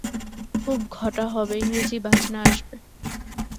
খুব ঘটা হবে, ইংরিজি বাজনা আসবে।